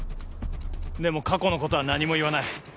でも過去のことは何も言わない。